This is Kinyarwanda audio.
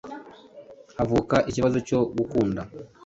havuka ikibazo cyo gukunda